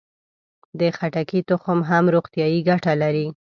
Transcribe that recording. د خټکي تخم هم روغتیایي ګټه لري.